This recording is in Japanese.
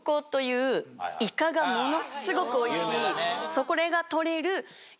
それが取れる。